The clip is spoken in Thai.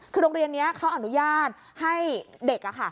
คือโรงเรียนนี้เขาอนุญาตให้เด็ก